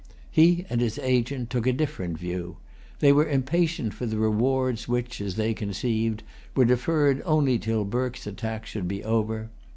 He and his agent took a different view. They were impatient for the rewards which, as they conceived, were deferred only till Burke's attack should be over.